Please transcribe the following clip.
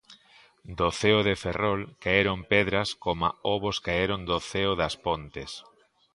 Do ceo de Ferrol caeron pedras coma ovos caeron do ceo das Pontes.